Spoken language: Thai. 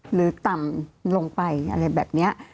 หรือต่ำลงไปอะไรแบบนี้